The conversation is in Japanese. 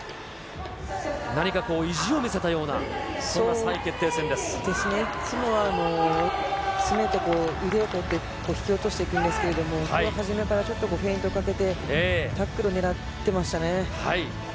何かこう、意地を見せたような、そうですね、詰めて、腕を取って、引き落としていくんですけれども、ここは初めからフェイントかけてタックル狙ってましたね。